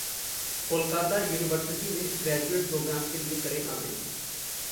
Kolkata university में graduate programme के लिए करें आवेदन